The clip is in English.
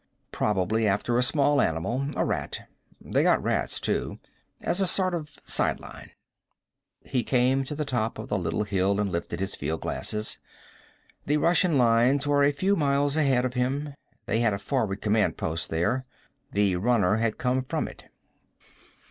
Probably after a small animal, a rat. They got rats, too. As a sort of sideline. He came to the top of the little hill and lifted his fieldglasses. The Russian lines were a few miles ahead of him. They had a forward command post there. The runner had come from it.